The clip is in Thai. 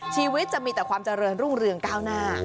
ชีวิตจะมีแต่ความเจริญรุ่งเรืองก้าวหน้า